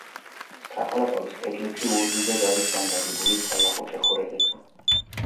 საყლაპავის კედლებში ორ რიგად არის განლაგებული სალაყუჩე ხვრელები.